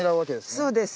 そうです。